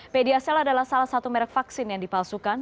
pediasel adalah salah satu merek vaksin yang dipalsukan